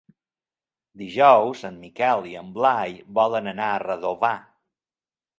Dijous en Miquel i en Blai volen anar a Redovà.